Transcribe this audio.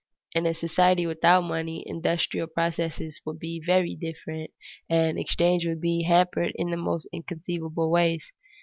In a society without money, industrial processes would be very different, and exchange would be hampered in almost inconceivable ways.